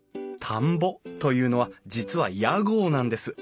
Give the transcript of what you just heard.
「田んぼ」というのは実は屋号なんです。